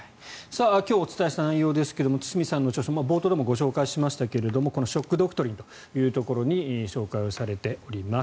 今日お伝えした内容ですが堤さんの著書も冒頭でもご紹介しましたが「ショック・ドクトリン」というところに紹介されております。